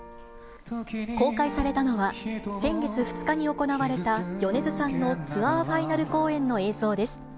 公開されたのは、先月２日に行われた、米津さんのツアーファイナル公演の映像です。